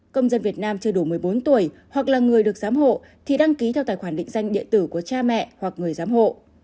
công dân việt nam chưa đủ một mươi bốn tuổi hoặc là người được giám hộ thì đăng ký theo tài khoản định danh điện tử của cha mẹ hoặc người giám hộ